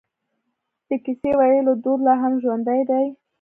د کیسه ویلو دود لا هم ژوندی دی.